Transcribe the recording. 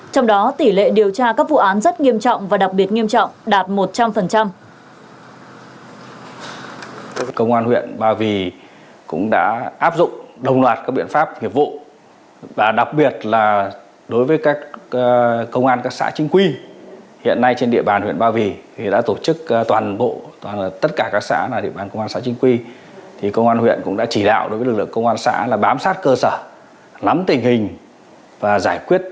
trong đó tỷ lệ điều tra các vụ án rất nghiêm trọng và đặc biệt nghiêm trọng đạt một trăm linh